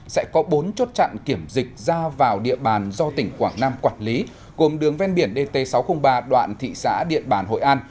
sẽ có bốn chốt chặn kiểm dịch ra vào địa bàn do tỉnh quảng nam quản lý gồm đường ven biển dt sáu trăm linh ba đoạn thị xã điện bàn hội an